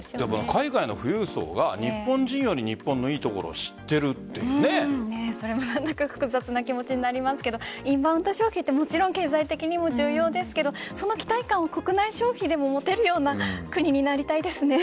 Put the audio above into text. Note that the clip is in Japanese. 海外の富裕層が日本人より日本のいいところをそれも何だか複雑な気持ちになりますがインバウンド消費はもちろん経済的にも重要ですがその期待感を国内消費でも持てるような国になりたいですね。